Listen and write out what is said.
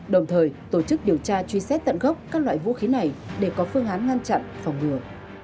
đồng thời tổ chức điều tra truy xét tận gốc các loại vũ khí này để có phương án ngăn chặn phòng ngừa